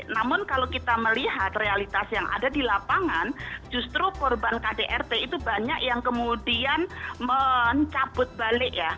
namun kalau kita melihat realitas yang ada di lapangan justru korban kdrt itu banyak yang kemudian mencabut balik ya